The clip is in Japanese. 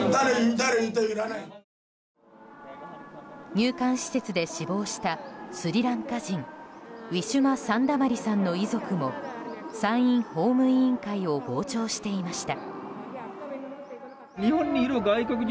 入管施設で死亡したスリランカ人ウィシュマ・サンダマリさんの遺族も参院法務委員会を傍聴していました。